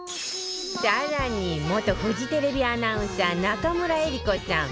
更に元フジテレビアナウンサー中村江里子さん